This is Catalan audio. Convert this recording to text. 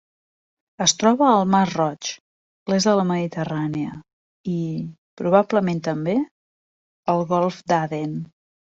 Es troba al mar Roig, l'est de la Mediterrània i, probablement també, el golf d'Aden.